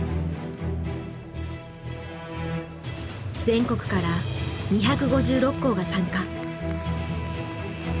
全国から２５６校が参加。